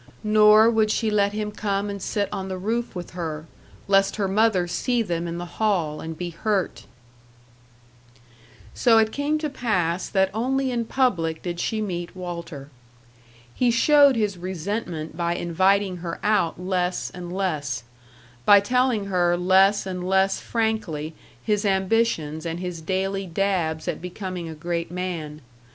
Nor would she let him come and sit on the roof with her, lest her mother see them in the hall and be hurt. So it came to pass that only in public did she meet Walter. He showed his resentment by inviting her out less and less, by telling her less and less frankly his ambitions and his daily dabs at becoming a great man.